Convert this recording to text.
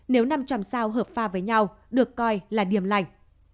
nếu năm trăm linh sao hợp pha với nhau được coi là điểm lành